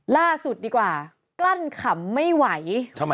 ล่าสุดดีกว่ากลั้นขำไม่ไหว